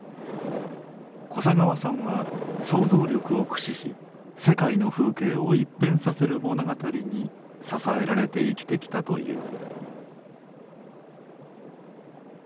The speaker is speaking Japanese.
小砂川さんは想像力を駆使し世界の風景を一変させる物語に支えられて生きてきたという。